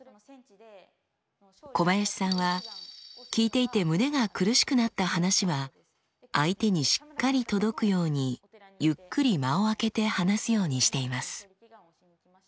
小林さんは聞いていて胸が苦しくなった話は相手にしっかり届くようにゆっくり間をあけて話すようにしています。